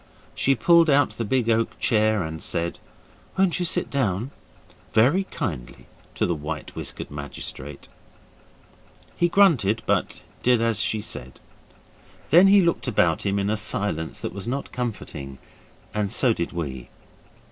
She pulled out the big oak chair and said, 'Won't you sit down?' very kindly to the white whiskered magistrate. He grunted, but did as she said. Then he looked about him in a silence that was not comforting, and so did we.